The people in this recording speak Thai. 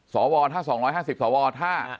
สวถ้า๒๕๐สวถ้า